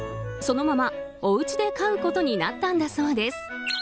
そのまま、おうちで飼うことになったんだそうです。